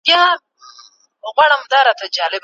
ورور مې وویل چې هغه نن ډېر ستړی دی.